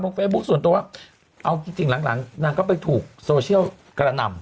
บนเฟย์บุ๊กส่วนตัวเอาจริงจริงหลังหลังนางก็ไปถูกโซเชียลกระหน่ำ